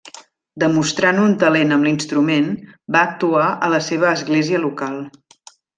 Demostrant un talent amb l'instrument, va actuar a la seva església local.